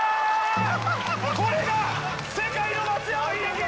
これが世界の松山英樹！